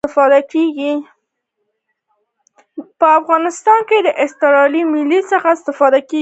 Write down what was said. په افغانستان کې د اسټرلیایي ملي الپسویډ څخه استفاده کیږي